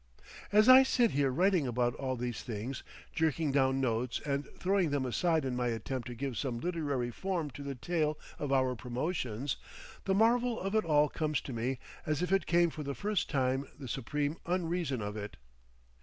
As I sit here writing about all these things, jerking down notes and throwing them aside in my attempt to give some literary form to the tale of our promotions, the marvel of it all comes to me as if it came for the first time the supreme unreason of it.